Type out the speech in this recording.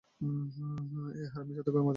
এই হারামির সাথে মজা করব?